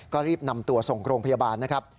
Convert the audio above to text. ก็รีบนำตัวส่งโรงพยาบาลนะครับ